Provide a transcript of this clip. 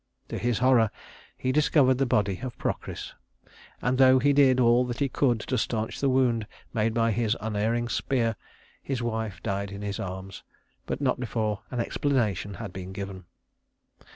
To his horror he discovered the body of Procris; and though he did all that he could to stanch the wound made by his unerring spear, his wife died in his arms but not before an explanation had been given.